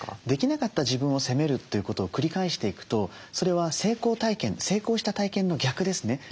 できなかった自分を責めるということを繰り返していくとそれは成功体験成功した体験の逆ですね。